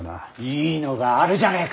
いいのがあるじゃねえか。